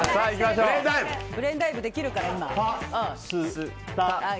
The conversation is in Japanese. ブレインダイブできるから、今。